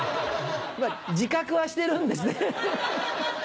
自覚はしてるんですね。